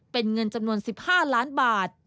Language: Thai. เป็นเงินจำนวน๑๕ล้านบาท